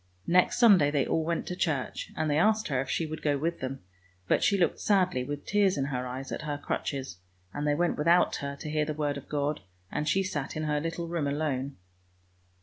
Next Sunday they all went to church, and they asked her if she would go with them; but she looked sadly, with tears in her eyes, at her crutches, and they went without her to hear the word of God, and she sat in her little room alone.